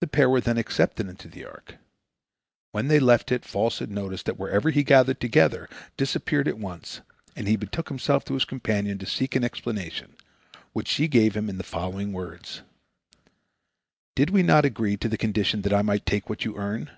The pair were then accepted in the ark. When they left it, Falsehood noticed that whatever he gathered together disappeared at once, and he betook himself to his companion to seek an explanation, which she gave him in the following words, "Did we not agree to the condition that I might take what you earn?"